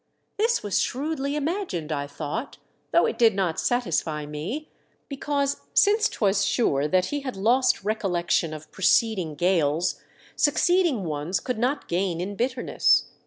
This was shrewdly imagined, I thought, though It did not satisfy me, because since Was sure that he had lost recollection of 1 86 THE DEATH SHIP. preceding gales, succeeding ones could nol gain in bitterness.